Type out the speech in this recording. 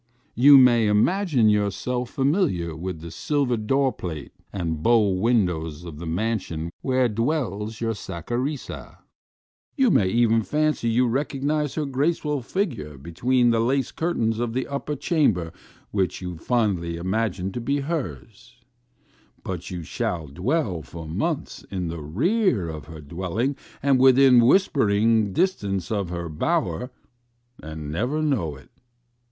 You may imagine yourself familiar with the silver door plate and bow windows of the mansion where dwells your Saccharissa ; you may even fancy you recognize her graceful figure between the lace cur tains of the upper chamber which you fondly imagine to be hers ; but you shall dwell for months in the rear of her dwelling and within whispering distance of her bower, and never know it.